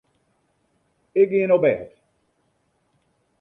Ik gean op bêd.